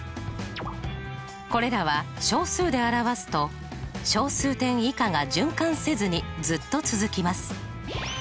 これらは小数で表すと小数点以下が循環せずにずっと続きます。